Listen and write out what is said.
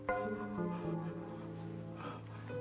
bukan dia pencuri yang kalian maksud